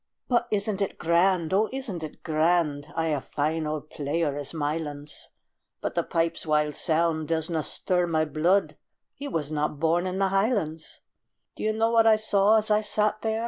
"But isn't it grand? O, isn't it grand?" "Ay, a fine auld player is Mylands, But the pipes' wild sound disna stir my bluid" He was not born in the highlands. Do you know what I saw as I sat there?